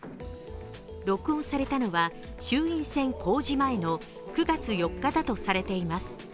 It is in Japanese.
録音されたのは衆院選公示前の９月４日だとされています。